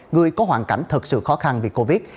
người có hoàn cảnh thật sự khó khăn vì covid